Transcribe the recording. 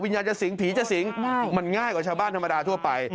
วิญญาณจะสิงผีจะสิงมันง่ายกว่าชาวบ้านธรรมดาทั่วไป